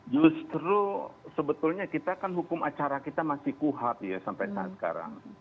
justru sebetulnya kita kan hukum acara kita masih kuhap ya sampai saat sekarang